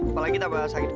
apalagi tak pernah sakit